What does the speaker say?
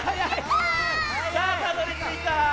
さあたどりついた。